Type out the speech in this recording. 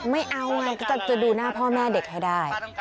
ไม่เอาไงก็จะดูหน้าพ่อแม่เด็กให้ได้